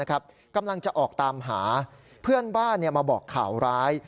กำลังจะออกตามหาเพื่อนบ้านมาบอกข่าวร้าย